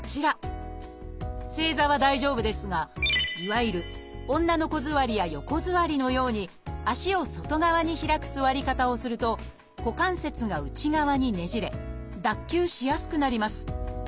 正座は大丈夫ですがいわゆる女の子座りや横座りのように足を外側に開く座り方をすると股関節が内側にねじれ脱臼しやすくなります。